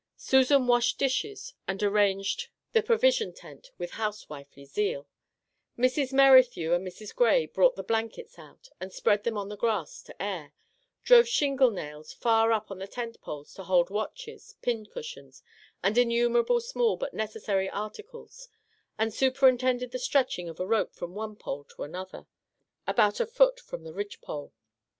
Susan washed dishes and arranged the pro 58 Our Little Canadian Cousin vision tent with housewifely zeal ; Mrs. Mer rithew and Mrs. Grey brought the blankets out, and spread them on the grass to air, drove shingle nails far up on the tent poles to hold watches, pin cushions, and innumerable small but necessary articles, and superintended the stretching of a rope from one pole to another, about a foot from the ridge pole.